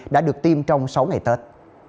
đã được tiêm trong sáu ngày tết